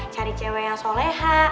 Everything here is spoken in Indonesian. cari cewek yang soleha